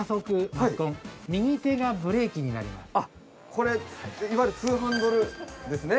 これいわゆるツーハンドルですね